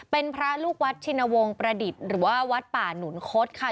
เป็นพระลูกวัดชินวงศ์ประดิษฐ์หรือว่าวัดป่าหนุนคดค่ะ